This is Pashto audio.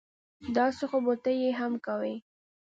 داسې خو به ته یې هم کوې